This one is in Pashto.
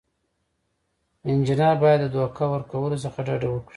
انجینر باید د دوکه ورکولو څخه ډډه وکړي.